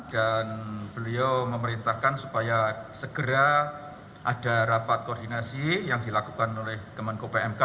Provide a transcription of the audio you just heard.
dan beliau memerintahkan supaya segera ada rapat koordinasi yang dilakukan oleh kemenko pmk